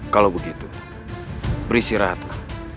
kalau begitu beristirahatlah